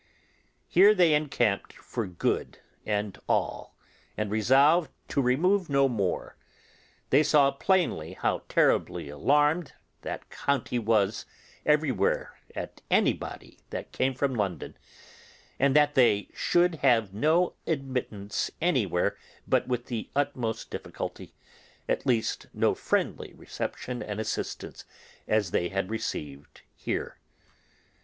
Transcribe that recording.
Here they encamped for good and all, and resolved to remove no more. They saw plainly how terribly alarmed that county was everywhere at anybody that came from London, and that they should have no admittance anywhere but with the utmost difficulty; at least no friendly reception and assistance as they had received here.